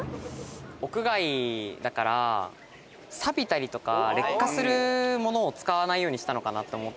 屋外だからさびたりとか劣化するものを使わないようにしたのかなって思ったんですよ。